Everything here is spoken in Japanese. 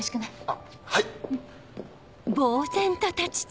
あっはい。